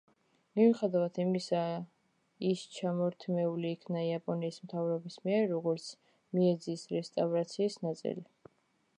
მიუხედავად ამისა, ის ჩამორთმეული იქნა იაპონიის მთავრობის მიერ, როგორც მეიძის რესტავრაციის ნაწილი.